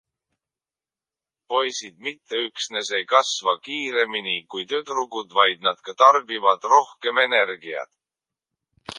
Poisid mitte üksnes ei kasva kiiremini kui tüdrukud, vaid nad ka tarbivad rohkem energiat.